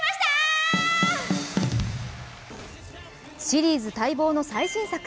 シリーズ待望の最新作。